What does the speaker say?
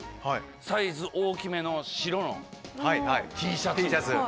サイズ大きめの白のＴシャツ。